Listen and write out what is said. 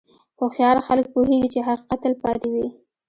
هوښیار خلک پوهېږي چې حقیقت تل پاتې وي.